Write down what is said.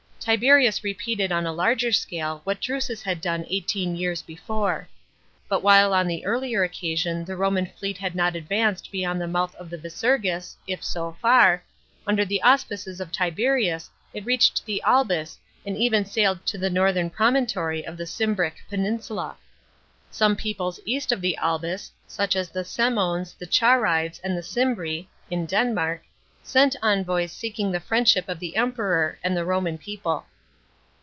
Tiberius repeated on a larger scale what Drusus had done eiuhteen years before. But while on the earlier occasion the Roman fleet had not advanced beyond the mou'h of the Visurgis (if so far), under the auspices of Tiberius it reached the Albis and even sailed to the northern promontory of the Cimbric peninsula. Some peoples east of the Albis, such as the Sem ones, the Charydes, and the Cimbri (in Denmark), sent envoys seeking the friendship of the Emperor and the Roman people.